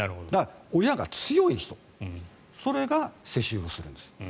親が強い人それが世襲をするんです。